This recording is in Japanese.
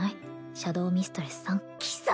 シャドウミストレスさん貴様